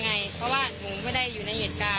แล้วที่มันก็ไม่ใช่ที่มันก็ไม่ใช่